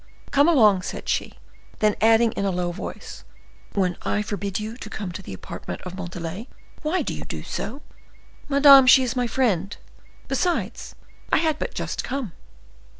"Come along," said she; then adding in a low voice, "When I forbid you to come the apartment of Montalais, why do you do so?" "Madame, she is my friend. Besides, I had but just come."